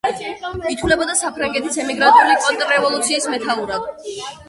ითვლებოდა საფრანგეთის ემიგრანტული კონტრრევოლუციის მეთაურად.